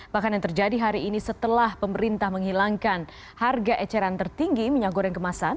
bahkan yang terjadi hari ini setelah pemerintah menghilangkan harga eceran tertinggi minyak goreng kemasan